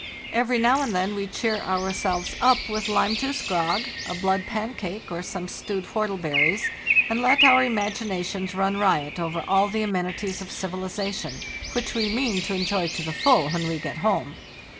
Every now and then we cheer ourselves up with lime juice grog, a blood pancake, or some stewed whortleberries, and let our im aginations run riot over all the amenities of civilization, which we mean to enjoy to the full when we get home!